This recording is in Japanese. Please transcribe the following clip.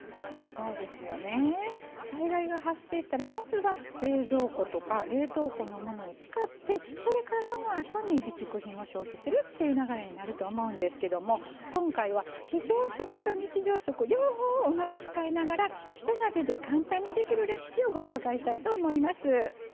災害が発生したらまずは、冷蔵庫とか冷凍庫のものを使ってそれから、そのあとに備蓄品を消費するという流れになるんですけども今回は非常食と日常食、両方をうまく使いながらひと鍋で簡単にできるレシピをご紹介したいと思います。